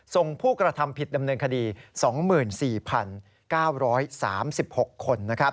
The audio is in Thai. ผู้กระทำผิดดำเนินคดี๒๔๙๓๖คน